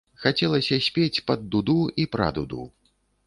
Хацелася спець пад дуду і пра дуду.